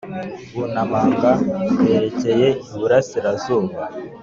bunamaga berekeye iburasirazuba.